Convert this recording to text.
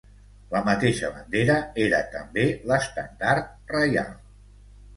La mateixa bandera era també l'estendard reial.